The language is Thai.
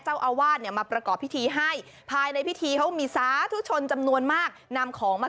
เจ้าอาวาสเนี่ยมาประกอบพิธีให้ภายในพิธีเขามีสาธุชนจำนวนมากนำของมา